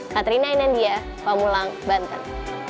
katrina inendia pamulang banten